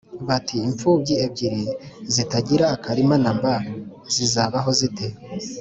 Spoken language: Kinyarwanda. bati: “Imfubyi ebyiri zitagira akarima na mba zizabaho zite